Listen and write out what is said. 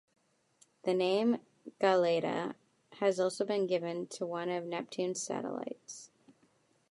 The name Galatea has also been given to one of Neptune's satellites.